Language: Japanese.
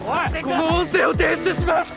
この音声を提出します！